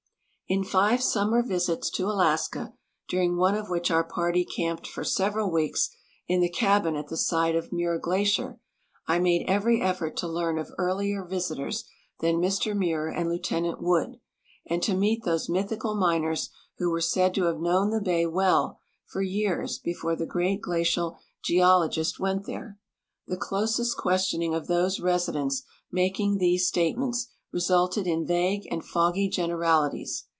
. In five summer visits to Alaska, during one of which our party camped for several weeks in the cabin at tbe side of INIuir glacier, I made every effort to learn of earlier visitors than Mr Muir and Lieutenant Wood and to meet those mythical miners who were said to have known the bay well for years before the great glacial geologist went there. The closest questioning of those residents making these statements resulted in vague and foggy generalities.